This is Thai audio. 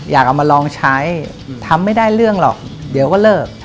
อยากเอามาลองใช้ทำไม่ได้เรื่องหรอกเดี๋ยวก็เลิก